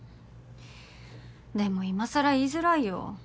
でもいまさら言いづらいよ。